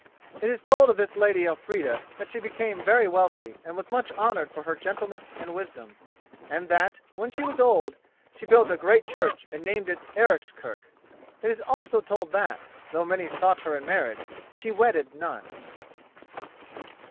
It is told of this lady Elfrida that she became very wealthy and was much honoured for her gentleness and wisdom, and that, when she was old, she built a great church and named it Ericskirk. It is also told that, though many sought her in marriage, she wedded none.